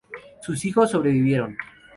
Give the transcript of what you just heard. Sus hijos sobrevivieron.